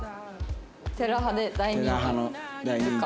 『テラハ』で大人気。